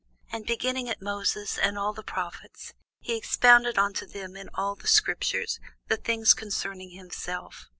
And beginning at Moses and all the prophets, he expounded unto them in all the scriptures the things concerning himself.